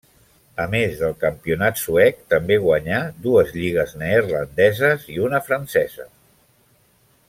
A més del campionat suec, també guanyà dues lligues neerlandeses i una francesa.